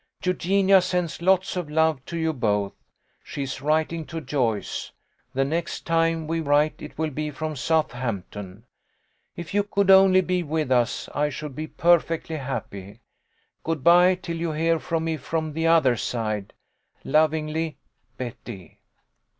Eugenia sends lots of love to you both. She is writing to Joyce. The next time we write it will be from Southamp ton. If you could only be with us I should be perfectly happy. Good bye, till you hear from me from the other side. " Lovingly, BETTY."